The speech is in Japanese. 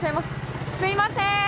すみません。